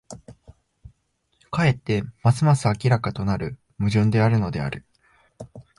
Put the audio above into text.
かえってますます明らかとなる矛盾であるのである。